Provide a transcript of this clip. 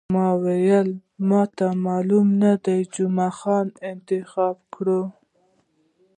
ما وویل، ما ته معلوم نه دی، جمعه خان انتخاب کړی.